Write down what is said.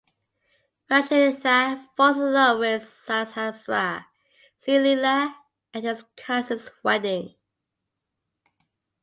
Vashishtha falls in love with Sahasra (Sree Leela) at his cousin’s wedding.